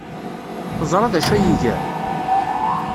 Teẓra d acu ay iga?